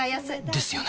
ですよね